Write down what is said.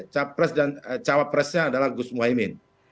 capres dan cawapresnya adalah gus muhaymin